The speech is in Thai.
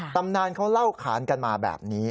ตำนานเขาเล่าขานกันมาแบบนี้